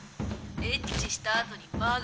「エッチしたあとに真顔で」